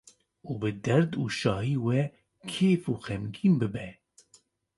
û bi derd û şahiya we kêf û xemgîn bibe.